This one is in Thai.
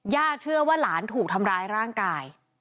เชื่อว่าหลานถูกทำร้ายร่างกาย